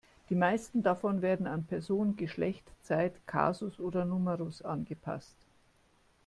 Die meisten davon werden an Person, Geschlecht, Zeit, Kasus oder Numerus angepasst.